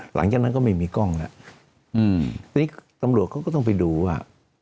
หลังจากนั้นก็ไม่มีกล้องแล้วอืมทีนี้ตำรวจเขาก็ต้องไปดูว่า